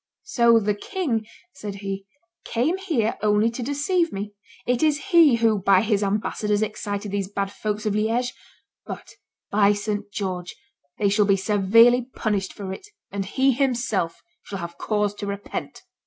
"So the king," said he, "came here only to deceive me; it is he who, by his ambassadors, excited these bad folks of Liege; but, by St. George, they shall be severely punished for it, and he, himself, shall have cause to repent."